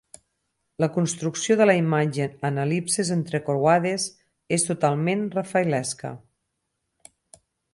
La construcció de la imatge en el·lipses entrecreuades és totalment rafaelesca.